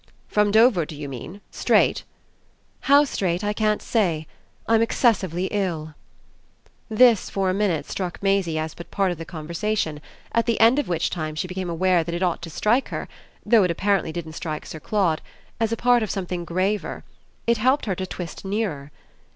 "From Dover do you mean, straight?" "How straight I can't say. I'm excessively ill." This for a minute struck Maisie as but a part of the conversation; at the end of which time she became aware that it ought to strike her though it apparently didn't strike Sir Claude as a part of something graver. It helped her to twist nearer.